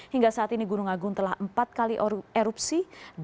hingga saat ini gunung agung telah empat kali erupsi